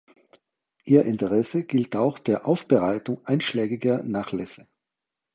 Ihr Interesse gilt auch der Aufbereitung einschlägiger Nachlässe.